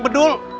aneh ya allah